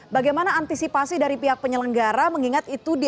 bagaimana antisipasi dari pihak penyelenggara mengingat itu diadakannya secara outdoor